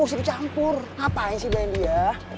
sini campur ngapain sih berani dia